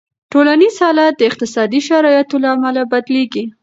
ټولنیز حالت د اقتصادي شرایطو له امله بدلېږي.